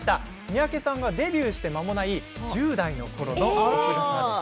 三宅さんがデビューしてまもない１０代のころのお姿です。